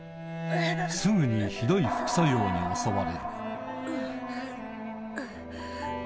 すぐにひどい副作用に襲われるうっうぅ。